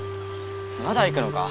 まだ行くのか？